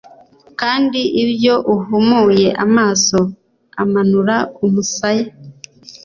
kandi ibyo, uhumuye amaso, umanura umusaya